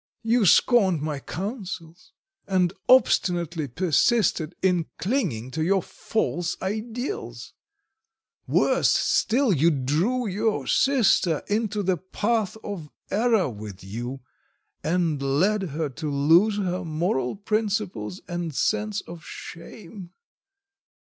You scorned my counsels, and obstinately persisted in clinging to your false ideals; worse still you drew your sister into the path of error with you, and led her to lose her moral principles and sense of shame.